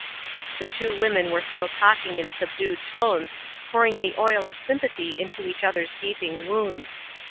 The two women were still talking in subdued tones, pouring the oil of sympathy into each others' gaping wounds.